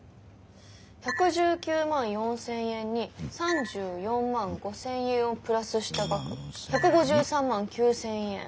１，１９４，０００円に３４５，０００円をプラスした額１，５３９，０００円。